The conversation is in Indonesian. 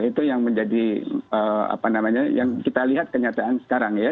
itu yang menjadi apa namanya yang kita lihat kenyataan sekarang ya